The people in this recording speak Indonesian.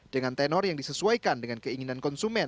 dengan tenor yang disesuaikan dengan keinginan konsumen